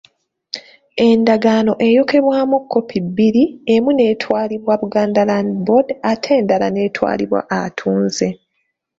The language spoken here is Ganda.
Endagaano eyokebwamu kkopi bbiri, emu etwalibwa Buganda Land Board ate endala n’etwalibwa atunze.